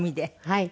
はい。